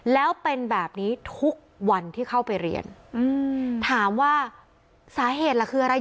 แล้วเป็นแบบนี้ทุกวันที่เข้าไปเรียนถามว่าสาเหตุล่ะคืออะไร